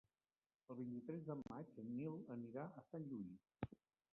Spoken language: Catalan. El vint-i-tres de maig en Nil anirà a Sant Lluís.